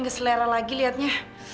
lagi selera lagi lihatnya